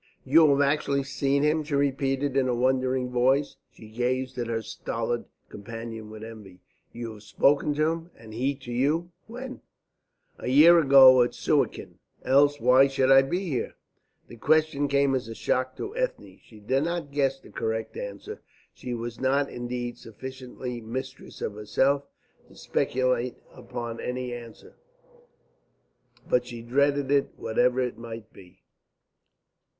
"You have actually seen him?" she repeated in a wondering voice. She gazed at her stolid companion with envy. "You have spoken to him? And he to you? When?" "A year ago, at Suakin. Else why should I be here?" The question came as a shock to Ethne. She did not guess the correct answer; she was not, indeed, sufficiently mistress of herself to speculate upon any answer, but she dreaded it, whatever it might be.